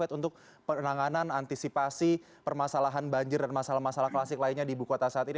tengok ini tongkat estafet untuk penanganan antisipasi permasalahan banjir dan masalah masalah klasik lainnya di ibu kota saat ini